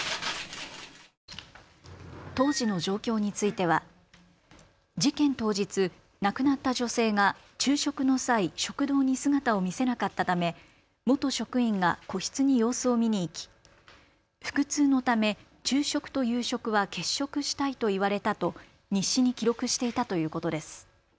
当時の状況については事件当日、亡くなった女性が昼食の際、食堂に姿を見せなかったため元職員が個室に様子を見に行き腹痛のため昼食と夕食は欠食したいと言われたと日誌に記録していたということです。